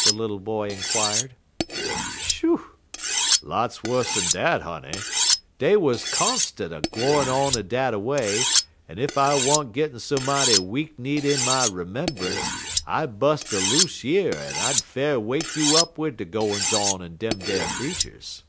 the little boy inquired. "Shoo! lot's wuss dan dat, honey. Dey wuz constant a gwine on dat a way, en ef I wa'n't gittin' so mighty weak kneed in de membunce I'd bust aloose yer en I'd fair wake you up wid de gwines on er dem ar creeturs.